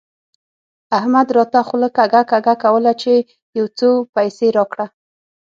احمد راته خوله کږه کږه کوله چې يو څو پيسې راکړه.